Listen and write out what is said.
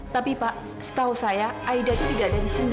tapi pak setahu saya aida itu tidak ada di sini